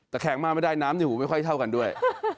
แต่แข็งมากไม่ได้น้ำในหูไม่ค่อยเท่ากันด้วย